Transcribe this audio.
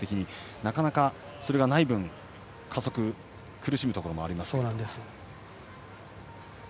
なかなかそれがない分加速に苦しむところがありますが。